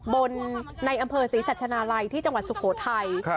ในอำเภอศรีสัชนาลัยที่จังหวัดสุโขทัย